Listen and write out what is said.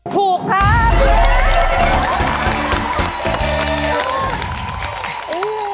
ถูกครับ